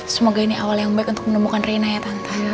semoga ini awal yang baik untuk menemukan rina ya tantang